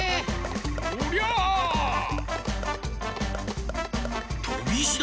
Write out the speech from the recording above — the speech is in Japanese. おりゃあ！とびいしだ！